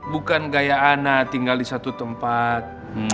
bukan gaya anak tinggal di satu tempat